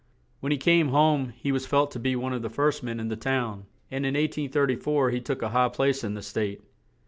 When he came home he was felt to be one of the first men in the town, and in 1834 he took a high place in the state.